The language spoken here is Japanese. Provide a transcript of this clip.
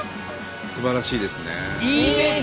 すばらしいですね。